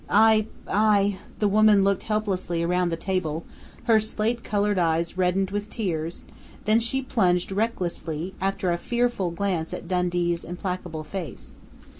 "I I " The woman looked helplessly around the table, her slate colored eyes reddened with tears, then she plunged recklessly, after a fearful glance at Dundee's implacable face.